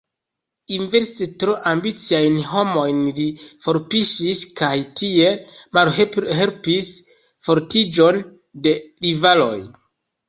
Inverse, tro ambiciajn homojn li forpuŝis kaj tiel malhelpis fortiĝon de rivaloj.